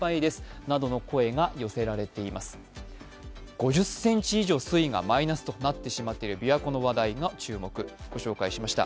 ５０ｃｍ以上水位がマイナスとなってしまっている琵琶湖の話題をお伝えしました。